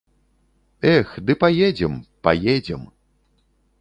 Эх, ды паедзем, паедзем!